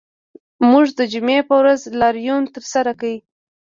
موږ د جمعې په ورځ لاریون ترسره کړ